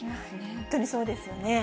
本当にそうですよね。